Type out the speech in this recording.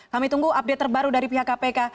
kami tunggu update terbaru dari pihak kpk